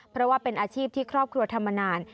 เพราะว่าเป็นอาชีพที่ครอบครัวทำมานาน